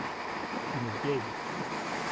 Une vieille.